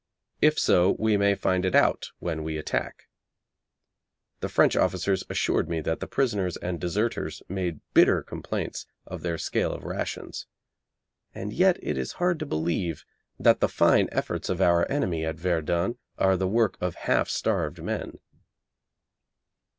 If so, we may find it out when we attack. The French officers assured me that the prisoners and deserters made bitter complaints of their scale of rations. And yet it is hard to believe that the fine efforts of our enemy at Verdun are the work of half starved men.